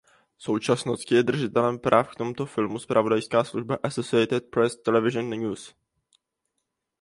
V současnosti je držitelem práv k tomuto filmu zpravodajská služba Associated Press Television News.